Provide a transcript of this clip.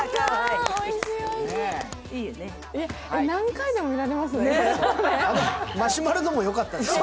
何回でも見られますね、これね。